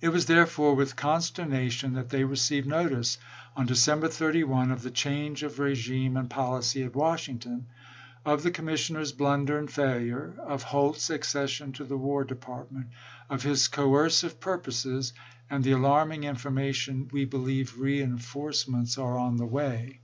It was, therefore, with consternation that they received notice on December 31 of the change of regime and policy at Washington, of the commis sioners' blunder and failure, of Holt's accession to the War Department, of his coercive purposes, and the alarming information, " We believe reenforce THE MILITARY SITUATION AT CHAELESTON 115 ments are on the way."